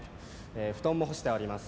布団も干してあります。